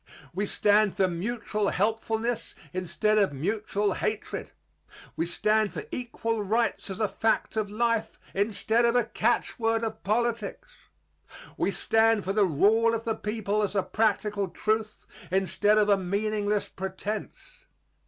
We stand for mutual helpfulness instead of mutual hatred. We stand for equal rights as a fact of life instead of a catch word of politics. We stand for the rule of the people as a practical truth instead of a meaningless pretense.